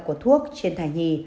của thuốc trên thai nhì